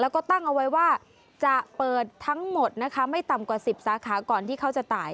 แล้วก็ตั้งเอาไว้ว่าจะเปิดทั้งหมดนะคะไม่ต่ำกว่า๑๐สาขาก่อนที่เขาจะจ่าย